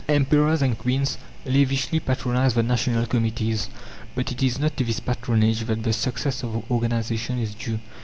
Emperors and queens lavishly patronize the national committees. But it is not to this patronage that the success of the organization is due.